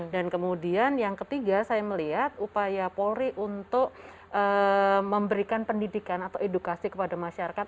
dan kemudian yang ketiga saya melihat upaya polri untuk memberikan pendidikan atau edukasi kepada masyarakat